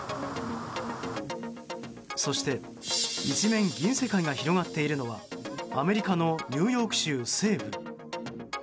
そして一面銀世界が広がっているのはアメリカのニューヨーク州西部。